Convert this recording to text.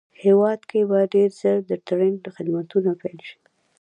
هېواد کې به ډېر زر د ټرېن خدمتونه پېل شي